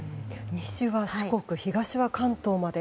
西は四国、東は関東まで。